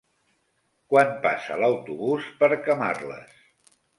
Quan passa l'autobús per Camarles?